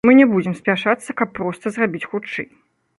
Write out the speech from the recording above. Мы не будзем спяшацца, каб проста зрабіць хутчэй.